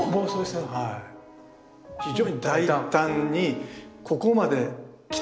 非常に大胆にここまで来たかという。